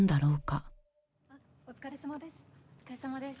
・あっお疲れさまです。